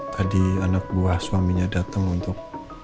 tadi anak buah suaminya datang untuk